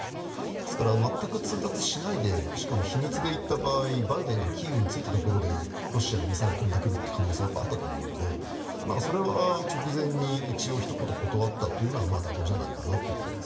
ですから全く通達しないでしかも秘密に行った場合バイデンがキーウに着いたところでロシアのミサイルが飛んでくる可能性があったと思うのでそれは直前に一応ひと言断ったというのは妥当じゃないかなと思います。